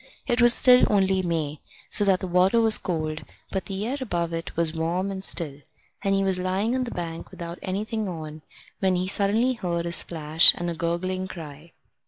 It was still only May, so that the water was cold, but the air above it was warm and still, and he was lying on the bank without anything on, when he suddenly heard a splash and a gurgling cry.